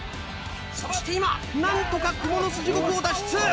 そして今何とかクモの巣地獄を脱出。